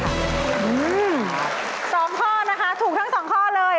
๒ข้อนะคะถูกทั้ง๒ข้อเลย